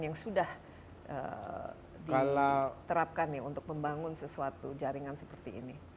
yang sudah diterapkan untuk membangun sesuatu jaringan seperti ini